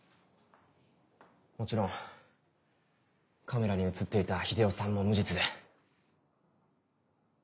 もちろんカメラに写っていた日出夫さんも無実で。